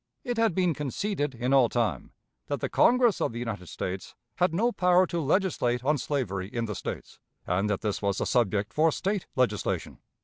It had been conceded in all time that the Congress of the United States had no power to legislate on slavery in the States, and that this was a subject for State legislation.